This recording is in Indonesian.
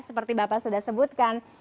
seperti bapak sudah sebutkan